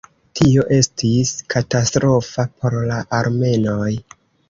Tio estis katastrofa por la armenoj.